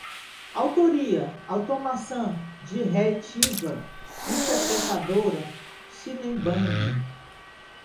autoria, automação, diretiva interpretadora, shebang